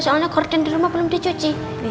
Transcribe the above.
soalnya korden di rumah belum dicuci